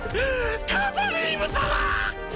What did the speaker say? カザリーム様！